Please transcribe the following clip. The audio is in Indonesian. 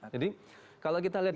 jadi kalau kita lihat